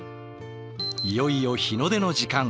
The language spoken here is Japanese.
いよいよ日の出の時間。